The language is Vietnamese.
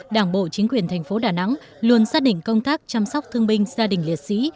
đảng bộ chính quyền thành phố đà nẵng luôn xác định công tác chăm sóc thương binh gia đình liệt sĩ